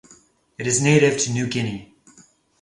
It is native to New Guinea.